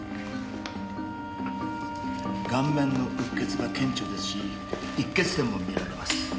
顔面の鬱血が顕著ですし溢血点も見られます。